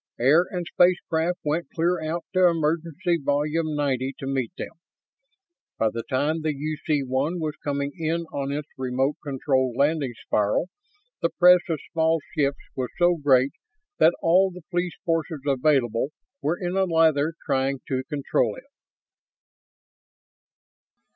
Air and space craft went clear out to Emergence Volume Ninety to meet them. By the time the UC 1 was coming in on its remote controlled landing spiral the press of small ships was so great that all the police forces available were in a lather trying to control it.